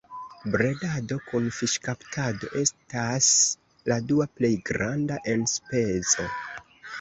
Bredado kun fiŝkaptado estas la dua plej granda enspezo.